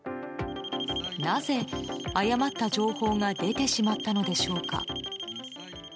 なぜ、誤った情報が出てしまったのでしょうか。